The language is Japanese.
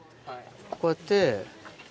こうやって。